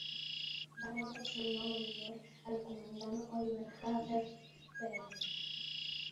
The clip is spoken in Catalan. Va rebre el seu nom en honor al Comandant Oliver Hazard Perry.